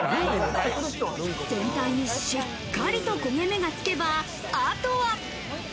全体にしっかりと焦げ目がつけば、あとは。